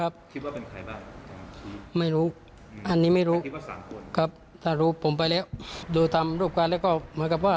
ไปตรงจุดนั้นโดยเฉพาะเลยที่ผมกำลังบอกว่า